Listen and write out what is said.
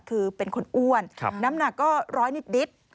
คือเป็นคนอ้วนน้ำหนักก็ร้อยนิด